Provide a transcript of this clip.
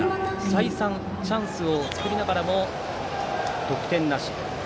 再三、チャンスを作りながらも得点なし。